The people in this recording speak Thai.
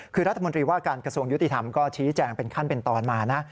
คือรัฐมนตรีว่าการกระทรวงยุติธรรมก็ชี้แจงเป็นขั้นเป็นตอนมานะ